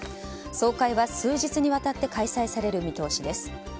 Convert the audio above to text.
総会は数日にわたって開催される見通しです。